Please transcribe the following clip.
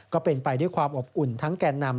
ก็เป็นไปด้วยความอบอุ่นทั้งแก่นำ